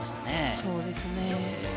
そうですね。